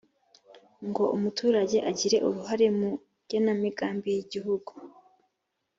ngo umuturage agire uruhare mu genamigambi y’igihugu.